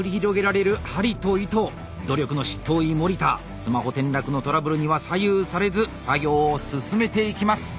スマホ転落のトラブルには左右されず作業を進めていきます。